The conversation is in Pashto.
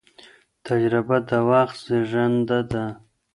تجربه د وخت زېږنده ده.